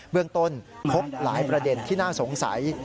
เรื่องต้นพบหลายประเด็นที่น่าสงสัย